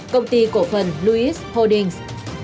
công ty cổ phần louis holdings